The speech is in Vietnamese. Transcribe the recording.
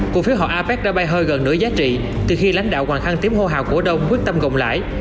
cụ phiếu họ apec đã bay hơi gần nửa giá trị từ khi lãnh đạo hoàng khăn tiếp hô hào cổ đông quyết tâm gồng lại